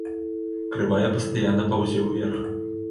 Крывая пастаянна паўзе ўверх.